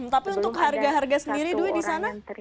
tapi untuk harga harga sendiri